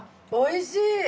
おいしい。